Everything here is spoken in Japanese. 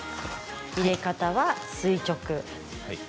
入れ方は垂直。